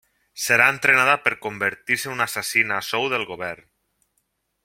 Serà entrenada per convertir-se en una assassina a sou del govern.